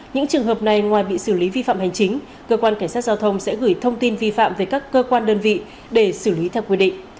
những trường hợp này ngoài bị xử lý vi phạm hành chính cơ quan cảnh sát giao thông sẽ gửi thông tin vi phạm về các cơ quan đơn vị để xử lý theo quy định